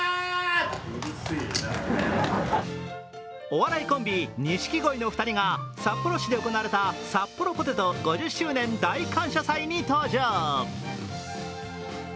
お笑いコンビ、錦鯉の２人が札幌市で行われたサッポロポテト５０周年大感謝祭に登場。